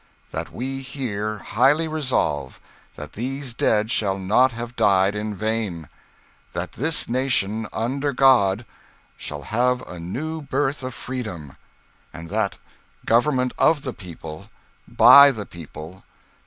.. that we here highly resolve that these dead shall not have died in vain. .. that this nation, under God, shall have a new birth of freedom. .. and that government of the people. . .by the people.